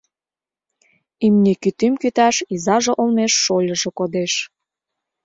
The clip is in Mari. Имне кӱтӱм кӱташ изаже олмеш шольыжо кодеш.